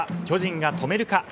巨人が止めるか。